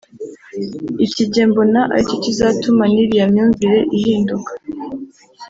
iki jye mbona ari cyo kizatuma n’iriya myumvire ihinduka